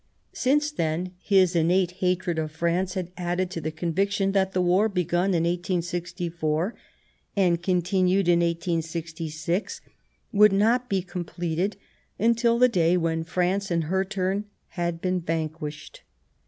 Since then, his innate hatred of France had added to the conviction that the work begun in 1864, and continued in 1866, would not be com pleted until the day when France, in her turn, had been vanquished.